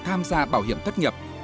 tham gia bảo hiểm thất nghiệp